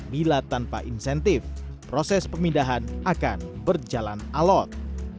bila tanpa insentif proses pemindahan akan berjalan alot